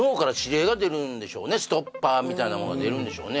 はいもうストッパーみたいなものが出るんでしょうね